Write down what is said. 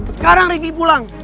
sekarang rifqi pulang